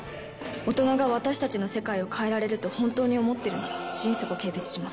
大人が私たちの世界を変えられると本当に思ってるなら心底軽蔑します。